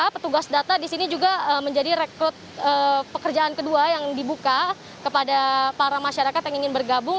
petugas data di sini juga menjadi rekrut pekerjaan kedua yang dibuka kepada para masyarakat yang ingin bergabung